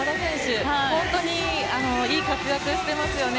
本当にいい活躍をしていますね。